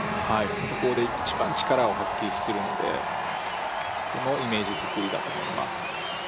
そこで一番力を発揮するのでそこのイメージ作りだと思います。